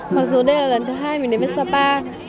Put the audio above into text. mặc dù đây là lần thứ hai mình đến với sapa